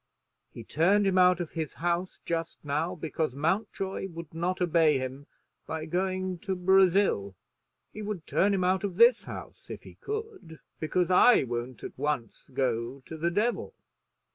He turned him out of his house just now because Mountjoy would not obey him by going to Brazil. He would turn him out of this house if he could because I won't at once go to the devil.